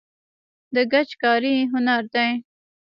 د ګچ کاري هنر دی